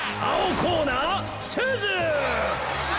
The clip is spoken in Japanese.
コーナーすず！わ！